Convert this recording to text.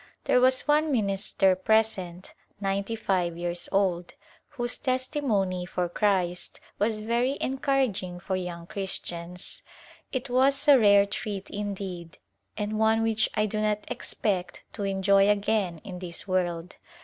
There was one minister present ninety five years old whose testimony for Christ was very encouraging for young Christians. It was a rare treat indeed and one which I do not expect to enjoy again in this world.